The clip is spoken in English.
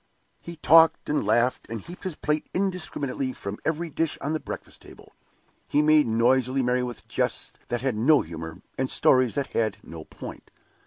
He talked and laughed, and heaped his plate indiscriminately from every dish on the breakfast table. He made noisily merry with jests that had no humor, and stories that had no point.